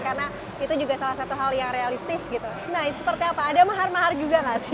karena itu juga salah satu hal yang realistis gitu nah seperti apa ada mahar mahar juga nggak sih mas